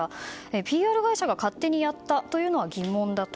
ＰＲ会社が勝手にやったというのは疑問だと。